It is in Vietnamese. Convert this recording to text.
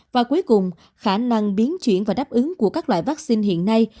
và cuối cùng khả năng biến chuyển và đáp ứng của các loại vaccine hiện nay